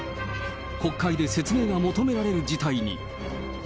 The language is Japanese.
国会で説明が求められる事態に。